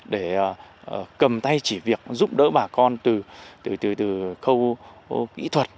để cầm tay chỉ việc giúp đỡ bà con từ khâu kỹ thuật